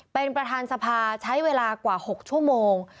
เป็นประธานสภาใช้เวลากว่า๖ชั่วโมง